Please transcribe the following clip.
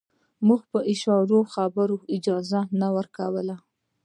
موږ په اشارو د خبرو اجازه نه ورکوله.